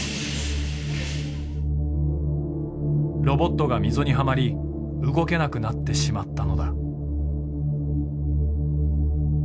ロボットが溝にはまり動けなくなってしまったのだ。